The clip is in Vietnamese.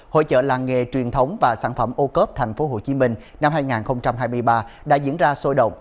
hội trợ làng nghề truyền thống và sản phẩm ô cớp tp hcm năm hai nghìn hai mươi ba đã diễn ra sôi động